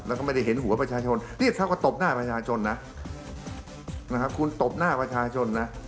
แล้วก็ไม่ได้เห็นหัวประชาชนนี่เขาก็ตบหน้าประชาชนนะคุณตบหน้าประชาชนนะ